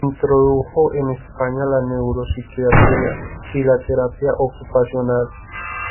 Introdujo en España la neuropsiquiatría y la terapia ocupacional.